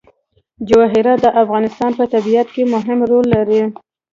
جواهرات د افغانستان په طبیعت کې مهم رول لري.